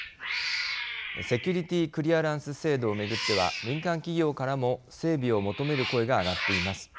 セキュリティークリアランス制度を巡っては民間企業からも整備を求める声が上がっています。